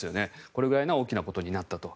これぐらいの大きなことになったと。